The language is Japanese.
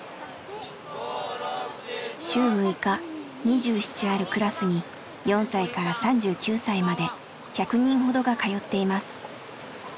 週６日２７あるクラスに４歳から３９歳まで１００人ほどが通っています。